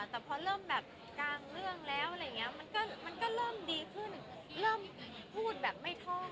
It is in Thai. แต่พอเริ่มแบบกลางเรื่องแล้วอะไรอย่างนี้มันก็เริ่มดีขึ้นเริ่มพูดแบบไม่ทอด